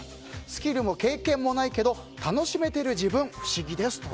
スキルも経験もないけれど楽しめている自分、不思議ですと。